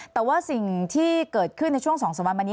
แต่ว่าสิ่งที่เกิดขึ้นในช่วง๒๓วันมานี้